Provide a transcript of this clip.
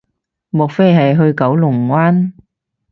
莫非係去九龍灣